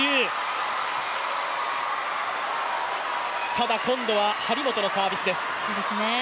ただ今度は張本のサービスです。